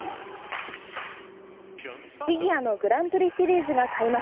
フィギュアのグランプリシリーズが開幕。